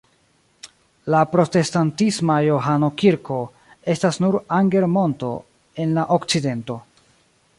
La protestantisma Johano-kirko estas sur Anger-monto en la okcidento.